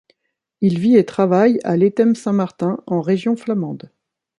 Il vit et travaille à Laethem-Saint-Martin en Région flamande.